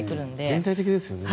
全体的ですよね。